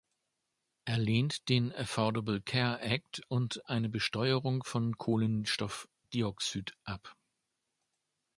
Er lehnt den Affordable Care Act und eine Besteuerung von Kohlenstoffdioxid ab.